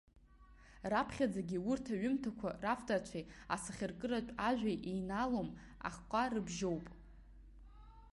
Раԥхьаӡагьы урҭ аҩымҭақәа равторцәеи асахьаркыратә ажәеи еинаалом, ахҟа рыбжьоуп.